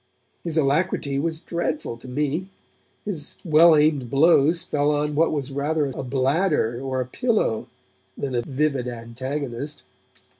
His alacrity was dreadful to me, his well aimed blows fell on what was rather a bladder or a pillow than a vivid antagonist.